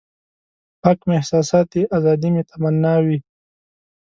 پاک مې احساسات دي ازادي مې تمنا وي.